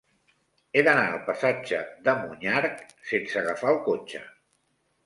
He d'anar al passatge de Monyarc sense agafar el cotxe.